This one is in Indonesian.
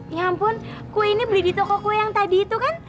ya ampun kue ini beli di toko kue yang tadi itu kan